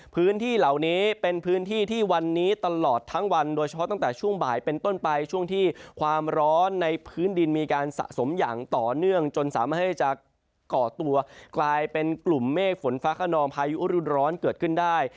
พื้นที่เหล่านี้เป็นพื้นที่ที่วันนี้ตลอดทั้งวันโดยเฉพาะตั้งแต่ช่วงบ่ายเป็นต้นไปช่วงที่ความร้อนในพื้นดินมีการสะสมอย่างต่อเนื่องจนสามารถที่จะก่อตัวกลายเป็นกลุ่มเมฆฝนฟ้าขนองพายุรุดร้อนเกิดขึ้นได้